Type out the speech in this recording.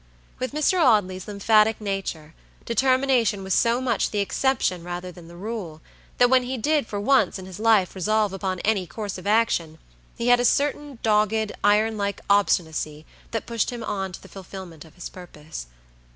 With Mr. Audley's lymphatic nature, determination was so much the exception rather than the rule, that when he did for once in his life resolve upon any course of action, he had a certain dogged, iron like obstinacy that pushed him on to the fulfillment of his purpose.